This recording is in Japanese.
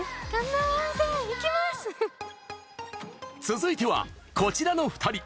続いては、こちらの２人！